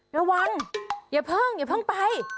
ระวังอย่าเพิ่งอย่าเพิ่งไป